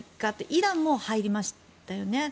イランも入りましたよね。